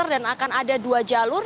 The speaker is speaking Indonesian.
dan akan ada dua jalur